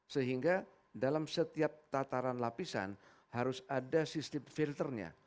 sehingga dalam setiap tataran lapisan harus ada sistem filternya